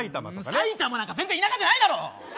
埼玉なんか全然田舎じゃないだろ！